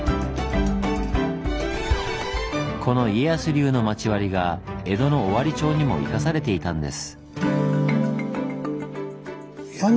この家康流の町割が江戸の尾張町にも生かされていたんです。